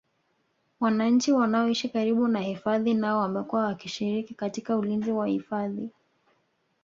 wananchi wanaoishi karibu na hifadhi nao wamekuwa wakishiriki katika ulinzi wa hifadhi